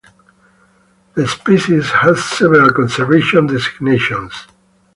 The species has several conservation designations.